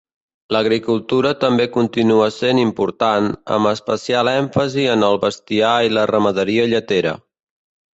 L'agricultura també continua sent important, amb especial èmfasi en el bestiar i la ramaderia lletera.